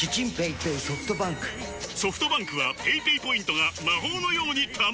ソフトバンクはペイペイポイントが魔法のように貯まる！